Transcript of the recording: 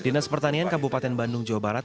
dinas pertanian kabupaten bandung jawa barat